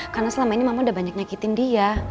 karena selama ini mama udah banyak nyakitin dia